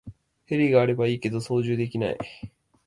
ヘリがあればいいけど操縦できない